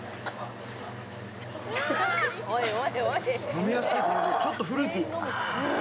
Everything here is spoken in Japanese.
飲みやすい、ちょっとフルーティー。